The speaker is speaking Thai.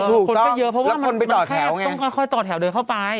คือคนก็เยอะเพราะว่ามันแค่ต้องค่อยต่อแถวเดินเข้าไป